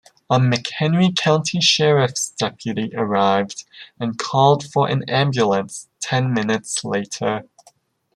A McHenry County sheriff's deputy arrived and called for an ambulance ten minutes later.